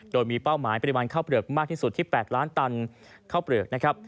โดยมีเป้าหมายปริมาณข้าวเปลือกมากที่สุดที่๘ล้านตันข้าวเปลือกนะครับ